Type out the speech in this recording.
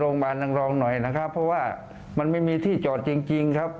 โรงพยาบาลดังรองหน่อยนะครับเพราะว่ามันไม่มีที่จอดจริงครับ